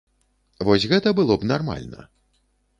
Вось гэта было б нармальна.